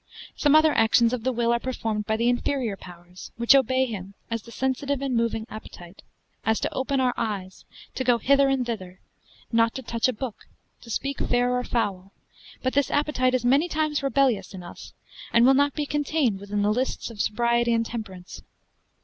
Some other actions of the will are performed by the inferior powers, which obey him, as the sensitive and moving appetite; as to open our eyes, to go hither and thither, not to touch a book, to speak fair or foul: but this appetite is many times rebellious in us, and will not be contained within the lists of sobriety and temperance.